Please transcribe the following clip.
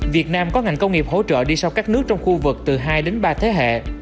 việt nam có ngành công nghiệp hỗ trợ đi sau các nước trong khu vực từ hai đến ba thế hệ